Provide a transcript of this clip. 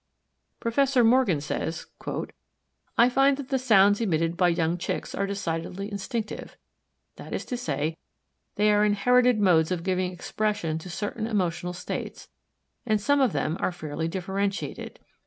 Professor Morgan says: "I find that the sounds emitted by young Chicks are decidedly instinctive that is to say, they are inherited modes of giving expression to certain emotional states. And some of them are fairly differentiated.